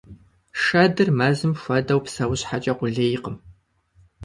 Шэдыр мэзым хуэдэу псэущхьэкӀэ къулейкъым.